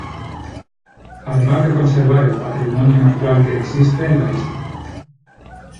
Además de conservar el patrimonio natural que existe en la isla.